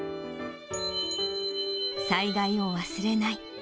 災害を忘れない。